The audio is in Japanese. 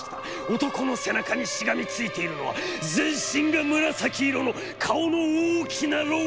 男の背中にしがみついているのは、全身が紫色の顔の大きな老婆でした。